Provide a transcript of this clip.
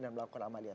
dan melakukan amaliyah